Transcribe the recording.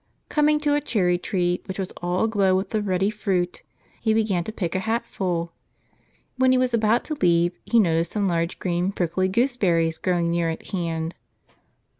Coming to a cherry tree which was all aglow with the ruddy fruit, he began to pick a hatful; when he was about to leave, he noticed some large, green, prickly gooseberries growing near at hand.